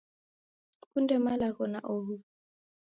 Sikunde malagho na oho